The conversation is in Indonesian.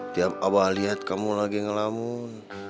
tiap abah liat kamu lagi ngelamun